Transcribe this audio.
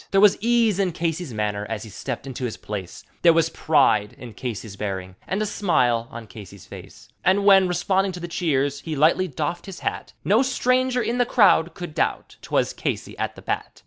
There was ease in Casey's manner as he stepped into his place; There was pride in Casey's bearing and a smile on Casey's face, And when, responding to the cheers, he lightly doffed his hat, No stranger in the croud could doubt `twas Casey at the bat.